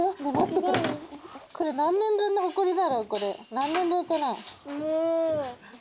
何年分かな？